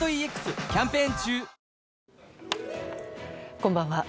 こんばんは。